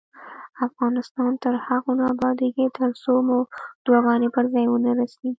افغانستان تر هغو نه ابادیږي، ترڅو مو دعاګانې پر ځای ونه رسیږي.